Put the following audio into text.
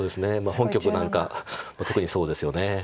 本局なんか特にそうですよね。